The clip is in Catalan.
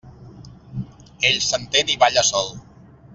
Ell s'entén i balla sol.